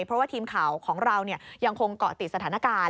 เพราะว่าทีมข่าวของเรายังคงเกาะติดสถานการณ์